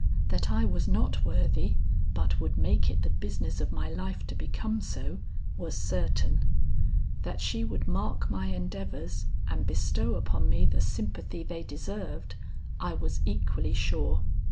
That I was not worthy but would make it the business of my life to become so, was certain; that she would mark my endeavors and bestow upon me the sympathy they deserved, I was equally sure.